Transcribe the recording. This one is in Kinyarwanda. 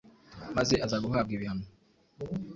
maze aza guhabwa ibihano